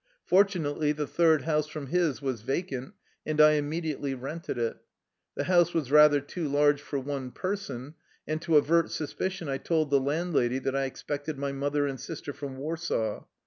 Fortunately, the third house from his was vacant, and I immediately rented it. The house was rather too large for one person, and to avert suspicion I told the landlady that I ex pected my mother and sister from Warsaw.